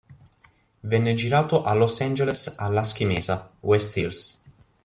Venne girato a Los Angeles a Lasky Mesa, West Hills.